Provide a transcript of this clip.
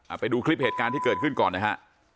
ไปดูคลิปเหตุการณ์ที่เกิดขึ้นก่อนนะฮะ